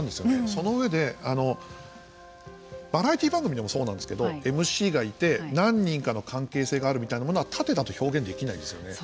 その上で、バラエティー番組でもそうなんですけどＭＣがいて何人かの関係性があるものは縦だと表現できないですよね。